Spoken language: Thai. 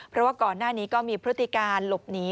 เพราะว่าก่อนหน้านี้ก็มีพฤติการหลบหนี